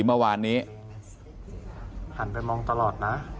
เมื่อวานนี้หันไปมองตลอดนะ